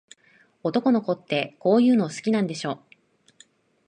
男の子って、こういうの好きなんでしょ。